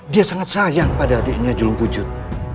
dia sangat sayang pada adiknya julung pujut